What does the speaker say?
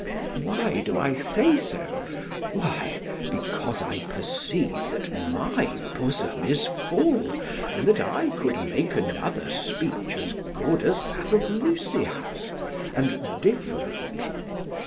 Why do I say so? Why, because I perceive that my bosom is full, and that I could make another speech as good as that of Lysias, and different.